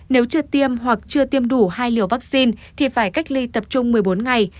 nếu chưa tiêm hoặc chưa tiêm đủ hai liều vaccine thì phải cách ly tập trung một mươi bốn ngày